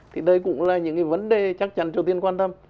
thì đây cũng là những cái vấn đề chắc chắn triều tiên quan tâm